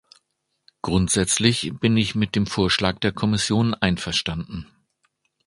Grundsätzlich bin ich mit dem Vorschlag der Kommission einverstanden.